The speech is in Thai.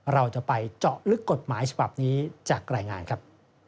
เราจะไปเจาะลึกกฎหมายฉบับนี้จากรายงานครับ